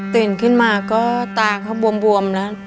ตื่นขึ้นมาก็ตาเขาบวมแล้ว